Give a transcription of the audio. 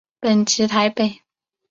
本籍台北。